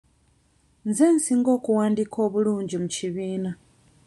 Nze nsinga okuwandiika obulungi mu kibiina.